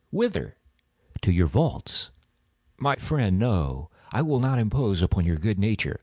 "Whither?" "To your vaults." "My friend, no; I will not impose upon your good nature.